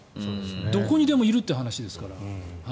どこにでもいるという話ですから。